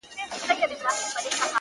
مور بې حاله ده او خبري نه سي کولای,